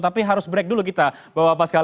tapi harus break dulu kita